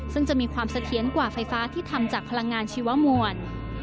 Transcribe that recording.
ซึ่งจะมีความเสถียรกว่าไฟฟ้าที่ทำจากพลังงานชีวมวล